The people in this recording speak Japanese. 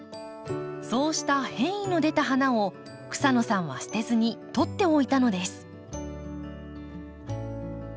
そうした変異の出た花を草野さんは捨てずに取っておいたのです。